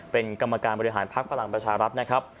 เป็นกรรมการบริหารภักดิ์พลังประชารัฐนะครับ